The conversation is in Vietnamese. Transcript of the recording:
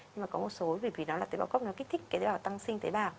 nhưng mà có một số bởi vì nó là tế bào cốc nó kích thích cái tế bào tăng sinh tế bào